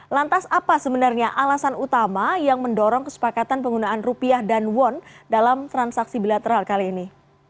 lantas apa sebenarnya alasan utama yang mendorong kesepakatan penggunaan rupiah dan won dalam transaksi bilateral kali ini